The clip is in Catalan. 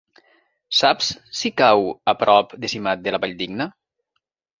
Saps si cau a prop de Simat de la Valldigna?